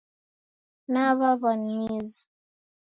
Naw'aw'a ni mizu.